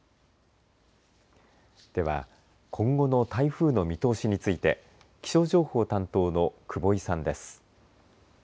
では今後の台風の見通しについて気象情報担当の久保井さんです。